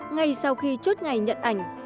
ngay sau khi chốt ngày nhận ảnh